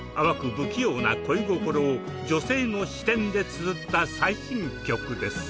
不器用な恋心を女性の視点でつづった最新曲です。